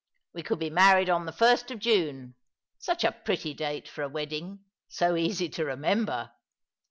We could be married on the first of June — such a pretty date for a wedding! So easy to remember!